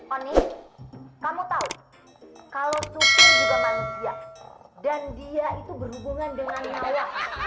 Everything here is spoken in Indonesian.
oni kamu tahu kalau suku juga manusia dan dia itu berhubungan dengan mawa